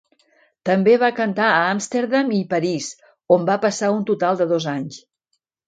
També va cantar a Amsterdam i París, on va passar un total de dos anys.